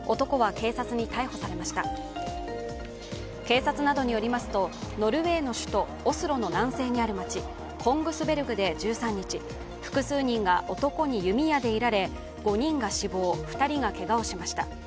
警察などによりますとノルウェーの首都オスロの南西にある町コングスベルグで１３日、複数人が男に弓矢で射られ５人が死亡２人がけがをしました。